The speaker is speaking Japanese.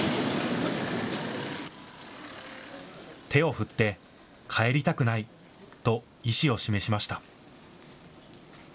手を振って、帰りたくないと意思を示しました。